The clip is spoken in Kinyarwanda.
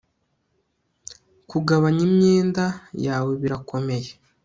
Kugabanya imyenda yawe birakomeye